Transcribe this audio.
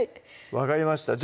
分かりました